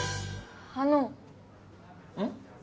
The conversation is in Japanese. あのうん？